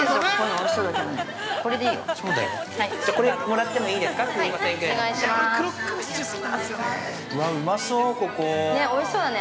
◆おいしそうだね。